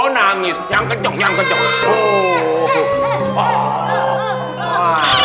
nangis yang kecoh kecoh